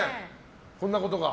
こんなことが？